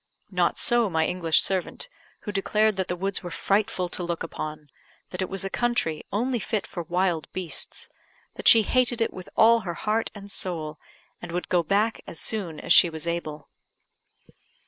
Not so my English servant, who declared that the woods were frightful to look upon; that it was a country only fit for wild beasts; that she hated it with all her heart and soul, and would go back as soon as she was able.